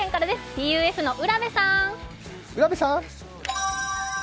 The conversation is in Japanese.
ＴＵＦの浦部さん。